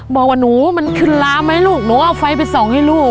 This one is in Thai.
บอกว่าหนูมันขึ้นล้าไหมลูกหนูเอาไฟไปส่องให้ลูก